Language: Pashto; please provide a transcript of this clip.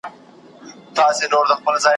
ګاونډیان به هره شپه په واویلا وه `